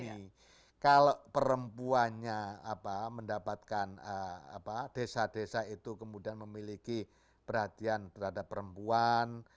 ini kalau perempuannya mendapatkan desa desa itu kemudian memiliki perhatian terhadap perempuan